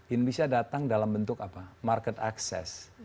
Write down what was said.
indonesia datang dalam bentuk apa market access